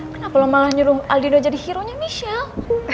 kenapa lo malah nyuruh aldino jadi hero nya michelle